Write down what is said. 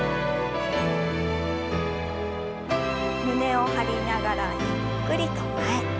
胸を張りながらゆっくりと前。